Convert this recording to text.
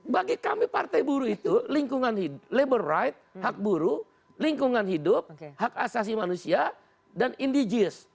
bagi kami partai buruh itu lingkungan labor right hak buru lingkungan hidup hak asasi manusia dan indiges